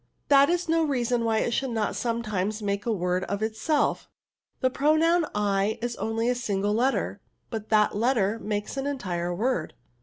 ^'That is no reason why it should not sometimes make a word of itself ; the pro noun / is only a single letter, but that letter makes an entire word."